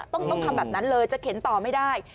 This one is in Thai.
ต้องทำแบบนั้นเลยจะเข็นต่อไม่ได้